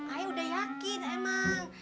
ay udah yakin emang